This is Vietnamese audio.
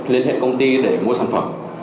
liên hệ công ty để mua sản phẩm